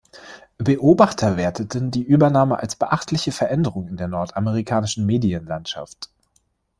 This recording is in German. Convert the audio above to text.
Beobachter werteten die Übernahme als beachtliche Veränderung in der nordamerikanischen Medienlandschaft.